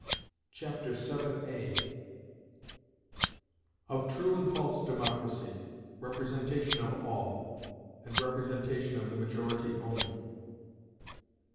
Chapter VII Of True and False Democracy; Representation of All, and Representation of the Majority only.